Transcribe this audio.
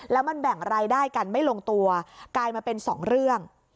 แล้วมันแบ่งรายได้กันไม่ลงตัวกลายมาเป็นสองเรื่อง